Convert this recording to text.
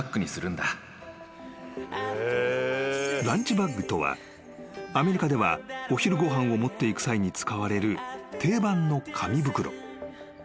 ［ランチバッグとはアメリカではお昼ご飯を持っていく際に使われる定番の紙袋］